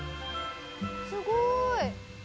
すごーい！